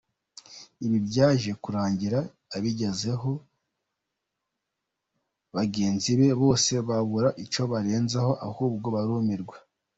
Ibi byaje kurangira abigezeho bagenzi be bose babura icyo barenzaho ahubwo barumirwa.